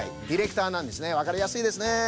ディレクターなんですねわかりやすいですね。